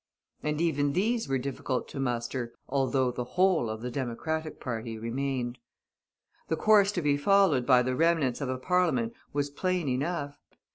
And even these were difficult to muster, although the whole of the Democratic party remained. The course to be followed by the remnants of a parliament was plain enough.